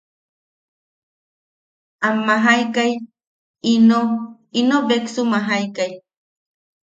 Am majaikai, ino, ino beksu majaikai.